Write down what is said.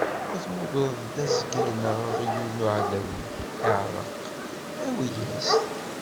Ma temmugreḍ-d azger neɣ aɣyul n uɛdaw-ik iɛreq, awi-as-t.